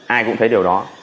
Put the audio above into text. ai cũng thấy điều đó